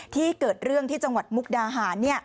เกิดเรื่องที่จังหวัดมุกดาหาร